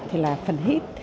thì là phần hit